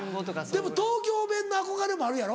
でも東京弁の憧れもあるやろ？